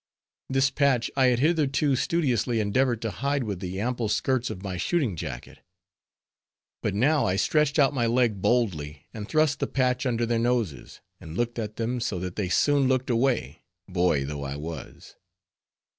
This patch I had hitherto studiously endeavored to hide with the ample skirts of my shooting jacket; but now I stretched out my leg boldly, and thrust the patch under their noses, and looked at them so, that they soon looked away, boy though I was.